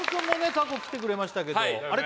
過去来てくれましたけどあれ？